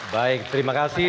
baik terima kasih